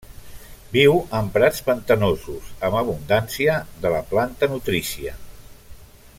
Viu en prats pantanosos amb abundància de la planta nutrícia.